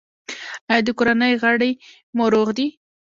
ایا د کورنۍ غړي مو روغ دي؟